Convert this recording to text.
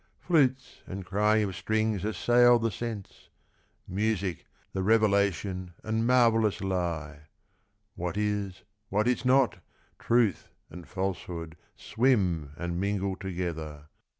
Flutes and crying of strings assail the sense — Music, the revelation and marvellous lie ; What is, what is not, truth and falsehood, Swim and mingle together.